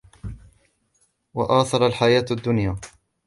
وَآثَرَ الْحَيَاةَ الدُّنْيَا